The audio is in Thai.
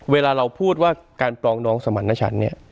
เวลาเราพูดว่าการปลองน้องสมรรณชัน